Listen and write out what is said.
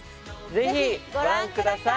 ぜひご覧ください